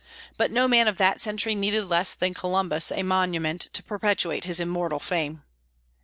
But no man of that century needed less than Columbus a monument to perpetuate his immortal fame.